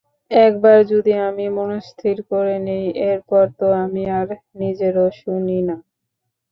একবার যদি আমি মনস্থির করে নেই, এরপর তো আমি আর নিজেরও শুনি না।